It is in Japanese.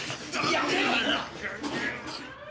やめろ。